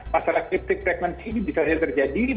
masalah septic pregnancy bisa terjadi